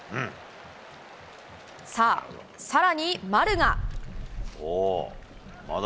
さあ、さらに丸が。